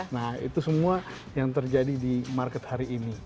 nah itu semua yang terjadi di market hari ini